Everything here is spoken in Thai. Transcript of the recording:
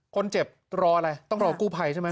คนเจ็บรออะไรต้องรอกู้ไพรใช่ไหม